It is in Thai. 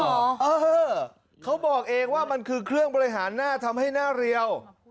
เออเขาบอกเองว่ามันคือเครื่องบริหารหน้าทำให้หน้าเรียว